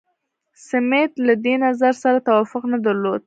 سمیت له دې نظر سره توافق نه درلود.